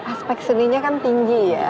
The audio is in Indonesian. ini kan aspek seninya kan tinggi ya